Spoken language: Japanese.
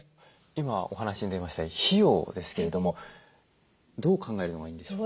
今お話に出ました費用ですけれどもどう考えるのがいいんでしょう？